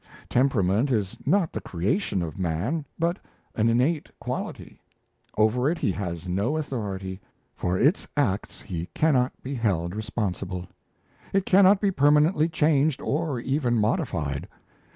Temperament is not the creation of man, but an innate quality; over it he has no authority; for its acts he cannot be held responsible. It cannot be permanently changed or even modified.